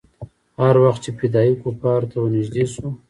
هر وخت چې فدايي کفارو ته ورنژدې سو.